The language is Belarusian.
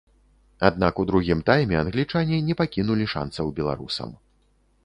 Аднак у другім тайме англічане не пакінулі шанцаў беларусам.